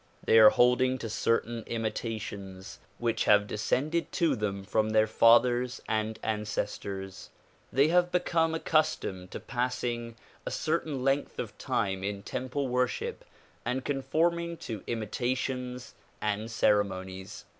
They are holding to certain imitations which have descended to them from their fathers and ancestors. They have become accustomed to passing a certain length of time in temple worship and conforming to imitations and ceremonies.